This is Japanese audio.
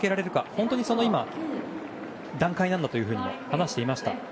本当に今、その段階なんだと話していました。